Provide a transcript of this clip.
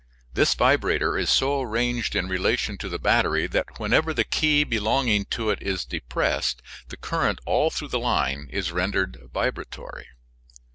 This vibrator is so arranged in relation to the battery that whenever the key belonging to it is depressed the current all through the line is rendered vibratory.